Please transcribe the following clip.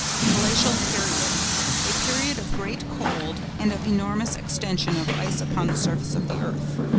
GLACIAL PERIOD.—A period of great cold and of enormous extension of ice upon the surface of the earth.